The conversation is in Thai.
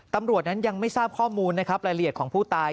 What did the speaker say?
ตำรวจนั้นยังไม่ทราบข้อมูลนะครับรายละเอียดของผู้ตาย